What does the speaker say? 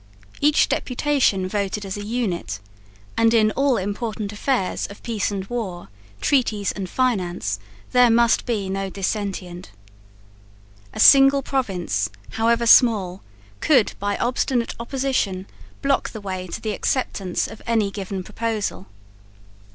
Each deputation voted as a unit; and in all important affairs of peace and war, treaties and finance, there must be no dissentient. A single province, however small, could, by obstinate opposition, block the way to the acceptance of any given proposal.